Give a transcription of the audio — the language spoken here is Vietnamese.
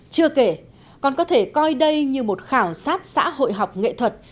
chưa kể còn có thể coi đây như một khảo sát xã hội học nghệ thuật